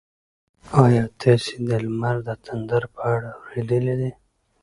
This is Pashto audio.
ایا تاسي د لمر د تندر په اړه اورېدلي دي؟